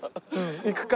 行くか。